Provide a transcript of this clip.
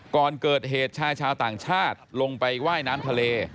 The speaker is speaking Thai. ก่อนเกิดเหตุชายชาวต่างชาติลงไปว่ายน้ำทะเล